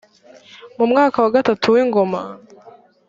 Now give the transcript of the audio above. mu mwaka wa gatatu w ingoma